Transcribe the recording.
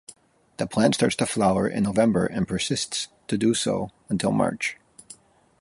The plant starts to flower in November and persists to do so until March.